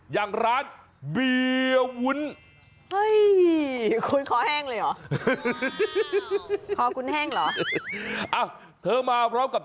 อย่างร้านเบ